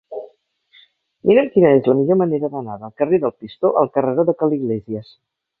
Mira'm quina és la millor manera d'anar del carrer del Pistó al carreró de Ca l'Iglésies.